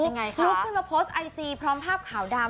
ยังไงคะลุกขึ้นมาโพสต์ไอจีพร้อมภาพขาวดำ